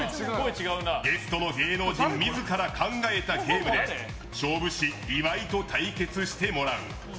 ゲストの芸能人自ら考えたゲームで勝負師・岩井と対決してもらう。